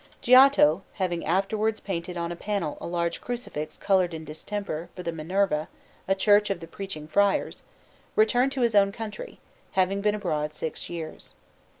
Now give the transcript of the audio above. Giotto, having afterwards painted on a panel a large Crucifix coloured in distemper, for the Minerva, a church of the Preaching Friars, returned to his own country, having been abroad six years.